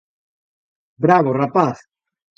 Bravo, rapaz!